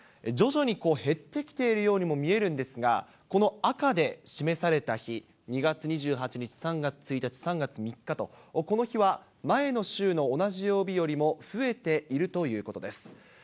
徐々に減ってきているようにも見えるんですが、この赤で示された日、２月２８日、３月１日、３月３日と、この日は前の週の同じ曜日よりも増えているということです。